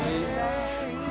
すごい。